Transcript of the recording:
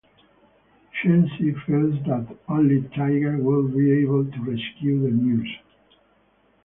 Shenoy feels that only Tiger would be able to rescue the nurses.